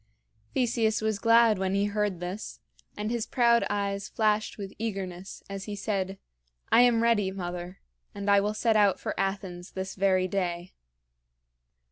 Theseus was glad when he heard this, and his proud eyes flashed with eagerness as he said: "I am ready, mother; and I will set out for Athens this very day."